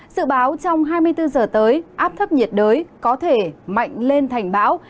sự báo trong hai mươi bốn giờ tới áp thấp nhiệt đới có thể mạnh lên thành bão